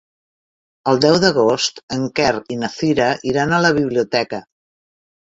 El deu d'agost en Quer i na Cira iran a la biblioteca.